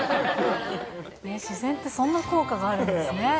自然って、そんな効果があるんですね。